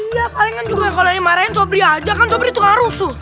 iya kalian kan juga yang kalo yang dimarahin sobri aja kan sobri tukang rusuh